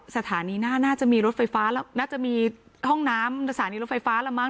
สถานีน่าจะมีห้องน้ำสถานีรถไฟฟ้าหรือไหม